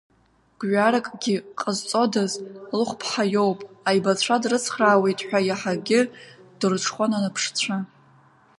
Гәҩаракгьы ҟазҵодаз, лыхәԥҳа иоуп, аибацәа дрыцхраауеит ҳәа, иаҳагьы ддырҽхәон анаԥшцәа.